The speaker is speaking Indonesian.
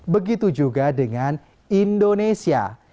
begitu juga dengan indonesia